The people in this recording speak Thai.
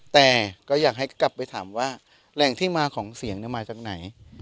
แต่ก็อยากให้กลับไปถามว่าแหล่งที่มาของเสียงมาจากไหน